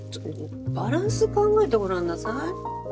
バランス考えてごらんなさい。